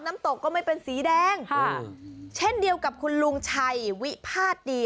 น้ำตกก็ไม่เป็นสีแดงเช่นเดียวกับคุณลุงชัยวิพาทดี